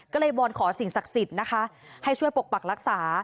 ก็เลยวอนขอสิ่งศักดิ์สิทธิ์นะคะให้ช่วยปกปักรักษา